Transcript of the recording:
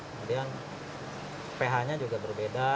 kemudian ph nya juga berbeda